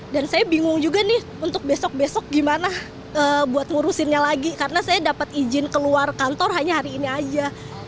saya bingung juga nih untuk besok besok gimana buat ngurusinnya lagi karena saya dapat izin keluar kantor hanya hari ini aja